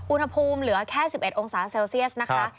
อุณหภูมิเหลือแค่๑๑องศาเซลเซียสนะคะ